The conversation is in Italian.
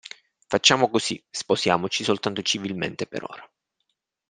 Facciamo così, sposiamoci soltanto civilmente, per ora.